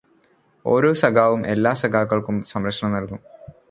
ഓരോ സഖാവും എല്ലാ സഖാക്കൾക്കും സംരക്ഷണം നൽകും.